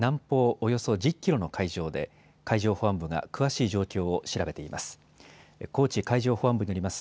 およそ１０キロの海上で海上保安部が詳しい状況を調べています。